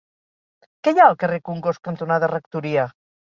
Què hi ha al carrer Congost cantonada Rectoria?